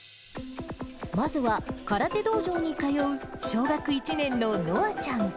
まずは、空手道場に通う小学１年ののあちゃん。